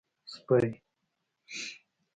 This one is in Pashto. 🐕 سپۍ